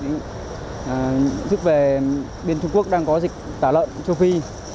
nhận thức về bên trung quốc đang có dịch tả lợn châu phi